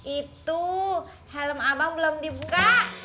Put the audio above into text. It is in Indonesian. itu helm abang belum dibuka